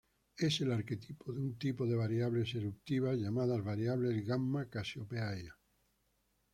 Es el arquetipo de un tipo de variables eruptivas llamadas variables Gamma Cassiopeiae.